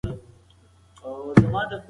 هغه علم چې ساکنه ټولنپوهنه نومیږي برخې څېړي.